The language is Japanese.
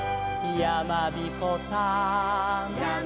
「やまびこさん」